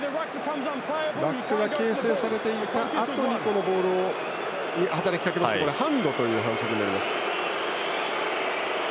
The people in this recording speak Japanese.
ラックが形成されたあとにボールに働きかけるとハンドという反則になります。